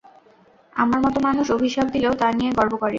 আমার মতো মানুষ অভিশাপ দিলেও তা নিয়ে গর্ব করে।